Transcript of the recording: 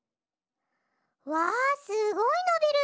わあすごいのびる！